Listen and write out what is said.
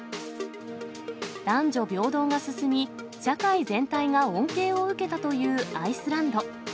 男女平等が進み、社会全体が恩恵を受けたというアイスランド。